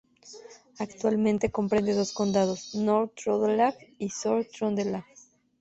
Actualmente comprende dos condados: Nord-Trøndelag y Sør-Trøndelag.